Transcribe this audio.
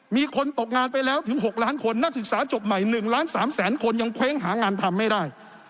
มีคนตกงานไปแล้วถึง๖ล้านคนนักศึกษาจบใหม่๑ล้าน๓แสนคนยังเคว้งหางานทำไม่ได้